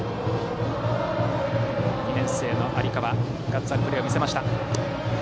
２年生の有川がガッツあるプレーを見せました。